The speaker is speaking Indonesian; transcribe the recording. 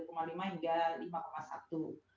namun ini tentu masih di dalam range yang kita lihat itu